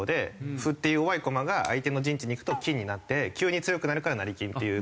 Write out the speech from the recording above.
歩って弱い駒が相手の陣地に行くと金になって急に強くなるから成り金っていう言葉。